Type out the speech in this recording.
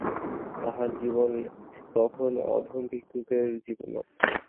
তাহার জীবন তখন অধম ভিক্ষুকের জীবন মাত্র।